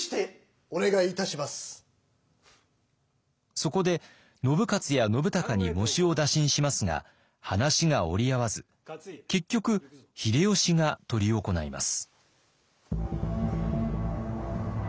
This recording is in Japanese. そこで信雄や信孝に喪主を打診しますが話が折り合わず結局秀吉が執り行います。